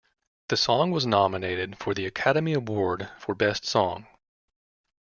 The song was nominated for the Academy Award for Best Song.